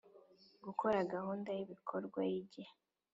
Gukora gahunda y ibikorwa y igihe